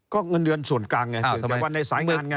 ก็เงินเดือนส่วนกลางไงส่วนแต่ว่าในสายงานไง